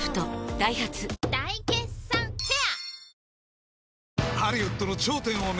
ダイハツ大決算フェア